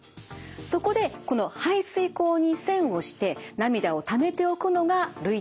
そこでこの排水口に栓をして涙をためておくのが涙点プラグです。